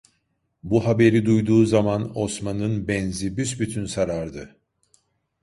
Bu haberi duyduğu zaman Osman'ın benzi büsbütün sarardı.